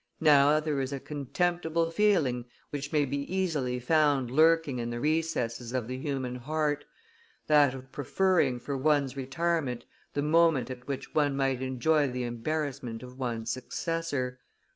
Now there is a contemptible feeling which may be easily found lurking in the recesses of the human heart, that of preferring for one's retirement the moment at which one might enjoy the embarrassment of one's successor.